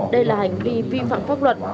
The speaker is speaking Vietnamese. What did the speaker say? đây là hành vi vi phạm pháp luật